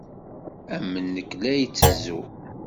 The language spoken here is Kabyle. Am nekk la itezzu.